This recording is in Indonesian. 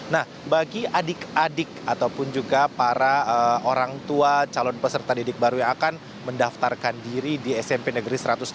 nah bagi adik adik ataupun juga para orang tua calon peserta didik baru yang akan mendaftarkan diri di smp negeri satu ratus enam puluh